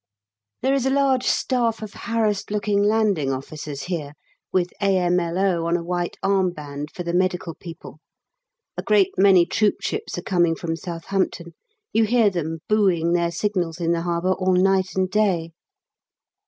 There is a large staff of harassed looking landing officers here, with A.M.L.O. on a white armband for the medical people; a great many troopships are coming from Southampton; you hear them booing their signals in the harbour all night and day.